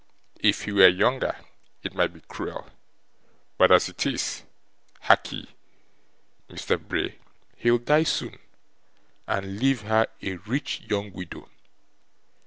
'If he were younger, it might be cruel, but as it is harkee, Mr. Bray, he'll die soon, and leave her a rich young widow!